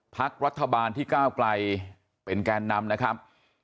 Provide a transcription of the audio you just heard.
พรรคอะไรที่ก้าวไกลเป็นแกนนำนะครับ